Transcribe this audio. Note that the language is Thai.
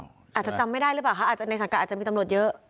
อาจจะจำไม่ได้หรือเปล่าคะอาจจะในสังกัดอาจจะมีตำรวจเยอะ